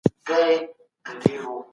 خاکساري انسان لوړوي.